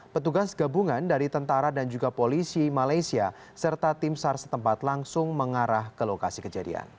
petugas gabungan dari tentara dan juga polisi malaysia serta tim sar setempat langsung mengarah ke lokasi kejadian